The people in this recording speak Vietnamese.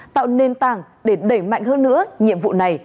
tạo nền tảng để đẩy mạnh hơn nữa nhiệm vụ này